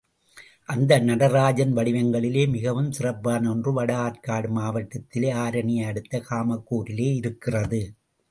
அந்த நடராஜன் வடிவங்களிலே மிகவும் சிறப்பான ஒன்று வடஆர்க்காடு மாவட்டத்திலே ஆரணியை அடுத்த காமக் கூரிலே இருக்கிறது.